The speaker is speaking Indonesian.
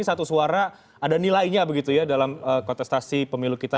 satu suara ada nilainya begitu ya dalam kontestasi pemilu kita